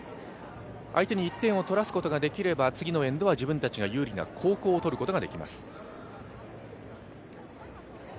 相手に１点を取らすことができれば次のエンドは自分たちに有利な後攻をとることができます。